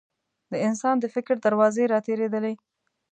د انسان د فکر دروازې راتېرېدلې.